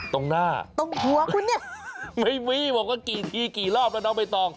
ตรงหน้าตรงหัวคุณเนี่ยไม่มีบอกว่ากี่ทีกี่รอบแล้วน้องใบตอง